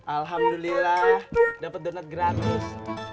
alhamdulillah dapet donat gratis